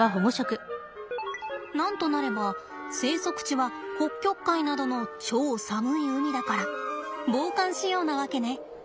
なんとなれば生息地は北極海などの超寒い海だから防寒仕様なわけね。